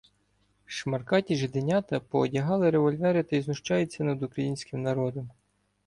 Шмаркаті жиденята поодягали револьвери та й знущаються над українським народом.